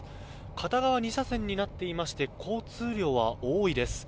片側２車線になっていて交通量は多いです。